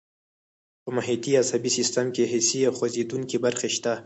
په محیطي عصبي سیستم کې حسي او خوځېدونکي برخې شته.